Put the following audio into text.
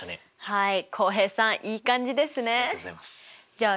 はい。